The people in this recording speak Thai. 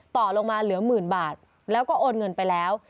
ต่อลงมาเหลือหมื่นบาทแล้วก็โอนเงินไปแล้ว